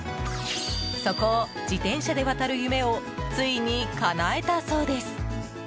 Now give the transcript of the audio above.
そこを自転車で渡る夢をついにかなえたそうです。